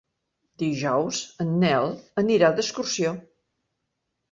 Dijous en Nel anirà d'excursió.